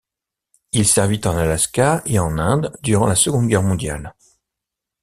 Il servit en Alaska et en Inde durant la Seconde Guerre mondiale.